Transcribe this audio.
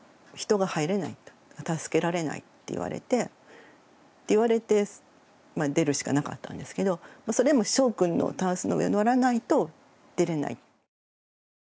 助けられないって言われて出るしかなかったんですけどそれもしょうくんのタンスの上乗らないと出れない。